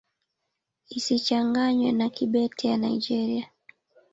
Isichanganywe na Kibete ya Nigeria.